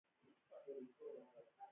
پروژې ولې ملي وي؟